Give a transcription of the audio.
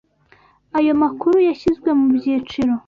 Ayo makuru yashyizwe mu byiciro.